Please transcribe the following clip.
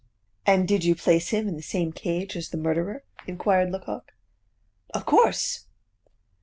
"And did you place him in the same cage as the murderer?" inquired Lecoq. "Of course."